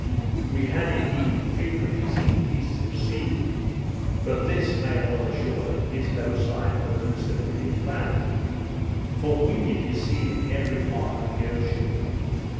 We had, indeed, frequently seen pieces of sea weed; but this, I am well assured, is no sign of the vicinity of land; for weed is seen in every part of the ocean.